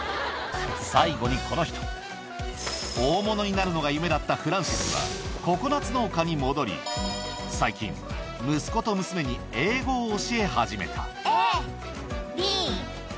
最後にこの人、大物になるのが夢だったフランシスは、ココナツ農家に戻り、最近、息子と娘に英語を教え始めた。